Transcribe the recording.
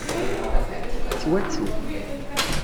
Tettwattu.